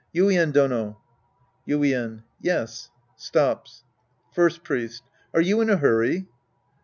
Yuien Dono. Yuien. Yes. {Stops.) First Priest. Are you in a hurry